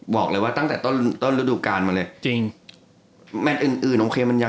บอกเลยว่ากะตั้งแต่ต้นฤดูกการมั้นเลย